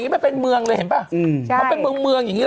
เนี้ยมันเป็นเมื่องเลยเห็นปะเขาเป็นเมืองคือเหนือ